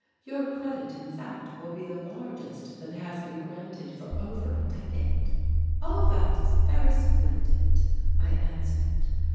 Your credit, in fact, will be the largest that has been granted for over a decade." "All that is very splendid," I answered.